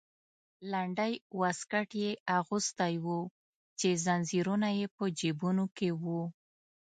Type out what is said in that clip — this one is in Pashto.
لنډی واسکټ یې اغوستی و چې زنځیرونه یې په جیبونو کې وو.